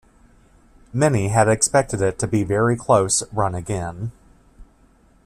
Many had expected it to be very close run again.